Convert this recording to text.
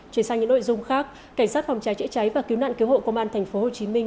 truyền sang những nội dung khác cảnh sát phòng trái chữa cháy và cứu nạn cứu hộ công an thành phố hồ chí minh